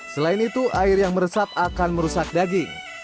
selain itu air yang meresap akan merusak daging